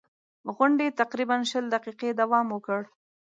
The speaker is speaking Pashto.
غونډې تقریباً شل دقیقې دوام وکړ.